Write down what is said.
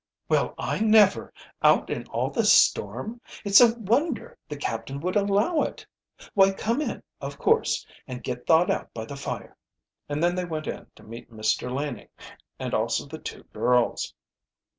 "Well, I never! Out in all this storm! It's a wonder the captain would allow it. Why, come in of course, and get thawed out by the fire." And then they went in to meet Mr. Laning, and also the two girls.